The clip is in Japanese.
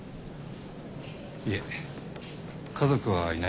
いえ家族はいないので。